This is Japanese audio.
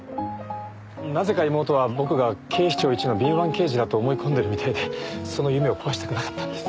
なぜか妹は僕が警視庁一の敏腕刑事だと思い込んでるみたいでその夢を壊したくなかったんです。